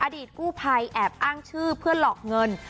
อดีตกู้ภัยแอบอ้างชื่อเพื่อหลอกเงิน